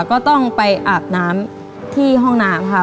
ก็ต้องไปอาบน้ำที่ห้องน้ำค่ะ